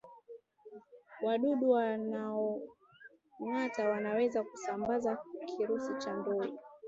Wadudu wanaongata wanaweza kusambaza kirusi cha ndui